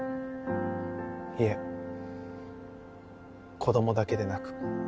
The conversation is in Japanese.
いえ子どもだけでなく。